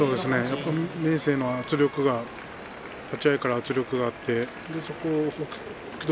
明生の圧力立ち合いから圧力があって北勝